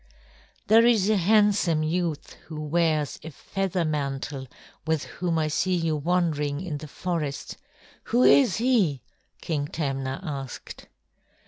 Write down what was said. "There is a handsome youth who wears a feather mantle with whom I see you wandering in the forest. Who is he?" King Tamna asked.